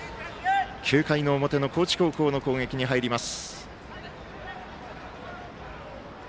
９回の表の高知高校の攻撃に入ります。